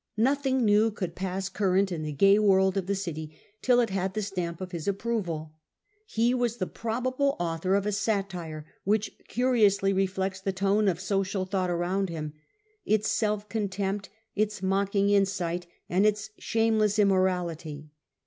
Nothing new could pass current in the gay world of the city till it had the stamp of his approval. He was the probable author of a satire which amiior of^a^ curiously reflects the tone of social thought curious around him, its self contempt, its mocking ' insight, and its shameless immorality.